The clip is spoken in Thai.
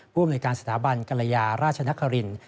อำนวยการสถาบันกรยาราชนคริน